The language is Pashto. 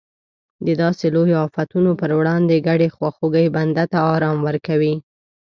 د داسې لویو افتونو پر وړاندې ګډې خواخوږۍ بنده ته ارام ورکوي.